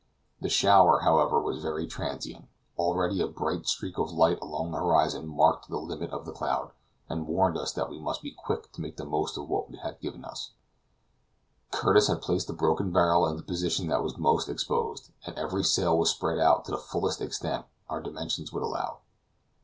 The shower, however, was very transient; already a bright streak of light along the horizon marked the limit of the cloud and warned us that we must be quick to make the most of what it had to give us. Curtis had placed the broken barrel in the position that was most exposed, and every sail was spread out to the fullest extent our dimensions would allow.